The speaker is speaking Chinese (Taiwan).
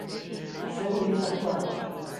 水里玉山段